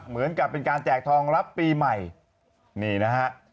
เหมือนกับเป็นการแจกทองรับปีใหม่นี่นะฮะ